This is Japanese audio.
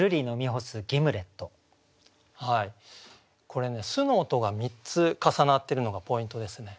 これね「す」の音が３つ重なってるのがポイントですね。